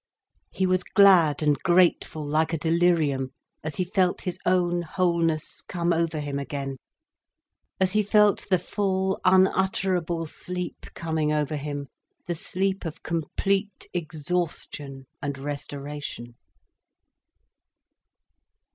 He was glad and grateful like a delirium, as he felt his own wholeness come over him again, as he felt the full, unutterable sleep coming over him, the sleep of complete exhaustion and restoration.